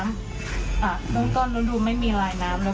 ตรงต้นนู้นดูไม่มีรายน้ำ